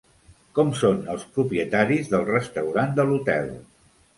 Com són els propietaris del restaurant de l'hotel?